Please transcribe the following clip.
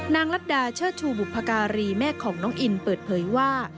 ลัดดาเชิดชูบุพการีแม่ของน้องอินเปิดเผยว่า